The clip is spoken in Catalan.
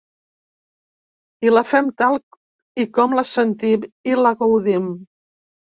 I la fem tal i com la sentim i la gaudim.